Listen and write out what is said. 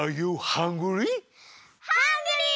ハングリー！